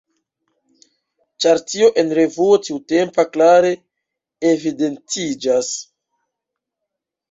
Ĉar tio en revuo tiutempa klare evidentiĝas.